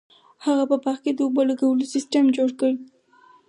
هغه په باغ کې د اوبو لګولو سیستم جوړ کړ.